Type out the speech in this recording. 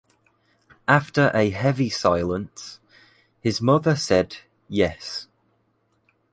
After a heavy silence, his mother said: “Yes.”